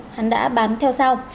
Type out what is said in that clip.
hắn đã bán theo sau